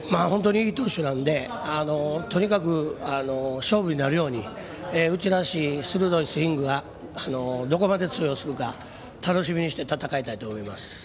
本当にいい投手なのでとにかく勝負になるようにうちらしい鋭いスイングがどこまで通用するか楽しみにして戦いたいと思います。